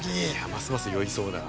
ますます酔いそうな。